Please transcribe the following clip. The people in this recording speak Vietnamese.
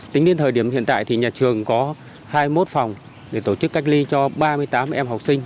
tính đến thời điểm hiện tại thì nhà trường có hai mươi một phòng để tổ chức cách ly cho ba mươi tám em học sinh